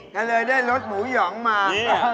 ก็เลยได้รสหมูหยองมา